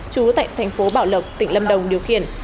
trú tại thành phố bảo lộc tỉnh lâm đồng điều khiển